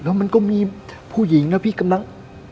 แล้วมันก็มีผู้หญิงนะพี่กำลัง